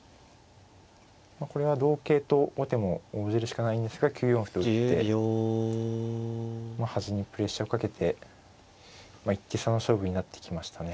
これは同桂と後手も応じるしかないんですが９四歩と打ってまあ端にプレッシャーをかけて一手差の勝負になってきましたね。